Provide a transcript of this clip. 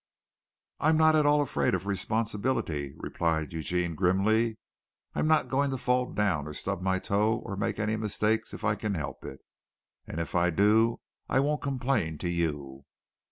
"I'm not at all afraid of responsibility," replied Eugene grimly. "I'm not going to fall down or stub my toe or make any mistakes if I can help it. And if I do I won't complain to you."